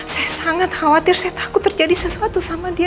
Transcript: saya sangat khawatir saya takut terjadi sesuatu sama dia